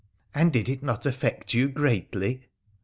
' And did it not affect you greatly